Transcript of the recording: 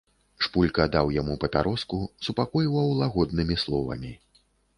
Шпулька даў яму папяроску, супакойваў лагоднымі словамі.